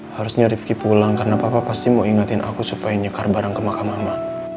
harusnya rifqi pulang karena papa pasti mau ingatin aku supaya nyekar barang ke makam mama